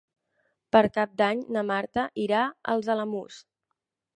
Per Cap d'Any na Marta irà als Alamús.